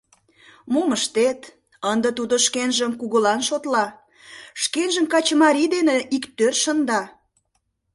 Мом ыштет, ынде тудо шкенжым кугулан шотла, шкенжым качымарий дене иктӧр шында.